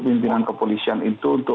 pimpinan kepolisian itu untuk